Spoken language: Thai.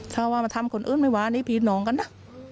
ถ้าว่ามาทำคนอื่นไม่ว่านี่ผีน้องกันนะ